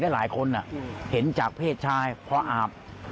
หลายคนเห็นจากเพศชายพออาบ